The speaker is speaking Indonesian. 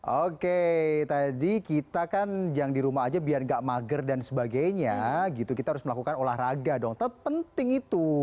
oke tadi kita kan yang di rumah aja biar gak mager dan sebagainya gitu kita harus melakukan olahraga dong tetap penting itu